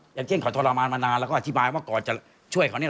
อย่างเช่นเขาทรมานมานานแล้วก็อธิบายว่าก่อนจะช่วยเขา